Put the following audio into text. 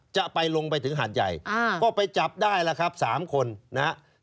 จะไปลงไปถึงหาดใยอ่าก็ไปจับได้ละครับสามคนนะฮะ